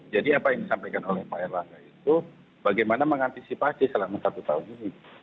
jadi apa yang disampaikan oleh pak erlangga itu bagaimana mengantisipasi selama satu tahun ini